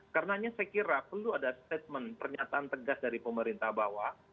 karenanya saya kira perlu ada statement pernyataan tegas dari pemerintah bahwa